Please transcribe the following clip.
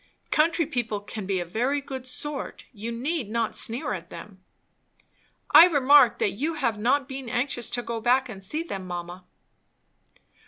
"Country people can be a very good sort. You need not sneer at them." "I remark that you have not been anxious to go back and see them, mamma."